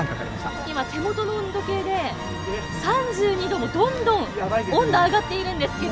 今、手元の温度計で３２度、どんどん温度上がってるんですけど。